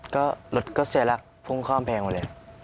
ก็รถก็เสียหลักพุ่งข้ามแพงมาเลย